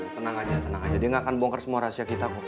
tenang aja tenang aja dia nggak akan bongkar semua rahasia kita